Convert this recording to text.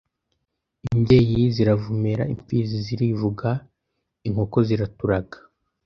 imbyeyi ziravumera imfizi zirivuga inkoko ziraturaga